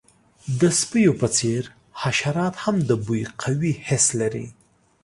د سپیو په څیر، حشرات هم د بوی قوي حس لري.